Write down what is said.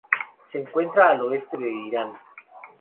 Se encuentra al oeste de Irán.